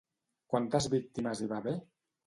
Quantes víctimes hi va haver?